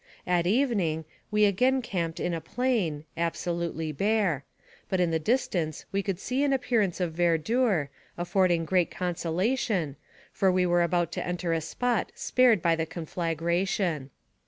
At evening, we again camped in a plain, absolutely bare; but in the distance we could see an appearance of verdure, affording great consolation, for we were about to enter a spot spared by the conflagration.